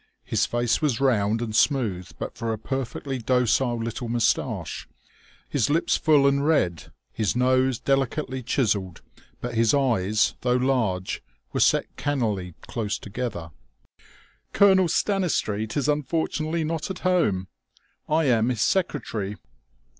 His face was round and smooth but for a perfectly docile little moustache, his lips full and red, his nose delicately chiselled; but his eyes, though large, were set cannily close together. "Colonel Stanistreet is unfortunately not at home. I am his secretary."